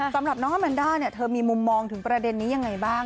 สำหรับน้องอาแมนด้าเนี่ยเธอมีมุมมองถึงประเด็นนี้ยังไงบ้าง